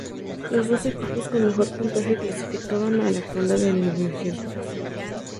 Los dos equipos con mejor puntaje clasificaban a la ronda de eliminación.